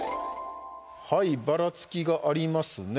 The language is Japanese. ばらつきがありますね。